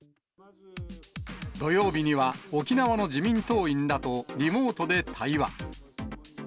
土曜日には沖縄の自民党員らとリモートで対話。